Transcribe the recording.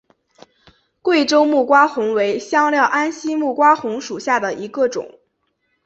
贵州木瓜红为安息香科木瓜红属下的一个种。